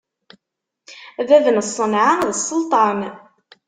Bab n ṣṣenɛa d sselṭan.